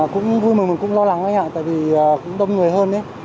cũng vui mà mình cũng lo lắng đấy hả tại vì cũng đông người hơn đấy